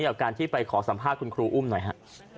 กับการที่ไปขอสัมภาษณ์คุณครูอุ้มหน่อยฮะ